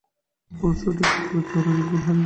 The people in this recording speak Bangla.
কোর্স-সঠিক করতে ব্যর্থ হলে রিংগুলি হারিয়ে যাবে।